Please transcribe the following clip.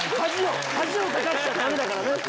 恥をかかしちゃダメだからね。